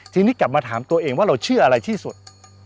ทีนี้กลับมาถามตัวเองว่าเราเชื่ออะไรที่สุด